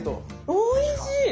おいしい！